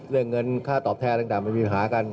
เรื่องเงินค่าตอบแทร่ต่างมันมีประหักรรม